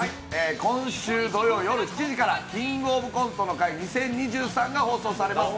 今週、土曜夜７時から「キングオブコントの会２０２３」が放送されます。